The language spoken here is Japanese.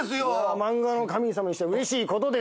漫画の神様にしたらうれしいことですよ。